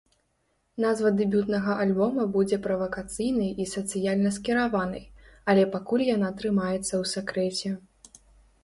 Назва дэбютнага альбома будзе правакацыйнай і сацыяльна скіраванай, але пакуль яна трымаецца ў сакрэце.